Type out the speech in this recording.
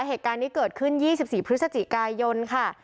เหตุการณ์นี้เกิดขึ้น๒๔พฤศจิกายนค่ะ